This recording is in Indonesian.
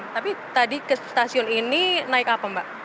tapi tadi ke stasiun ini naik apa mbak